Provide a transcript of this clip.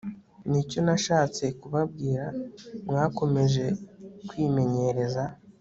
nicyo nashatse kubabwira Mwakomeje kwimenyereza